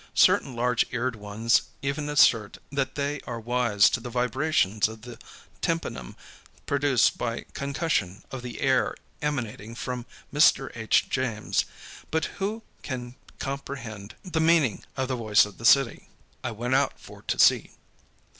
Certain large eared ones even assert that they are wise to the vibrations of the tympanum produced by concussion of the air emanating from Mr. H. James. But who can comprehend the meaning of the voice of the city? I went out for to see.